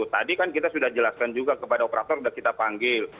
tadi kan kita sudah jelaskan juga kepada operator sudah kita panggil